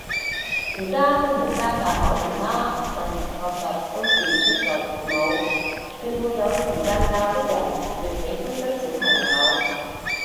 而家都冇家教可言啦，問題確實都是出在父母，越沒有時間教的人越喜歡生小朋友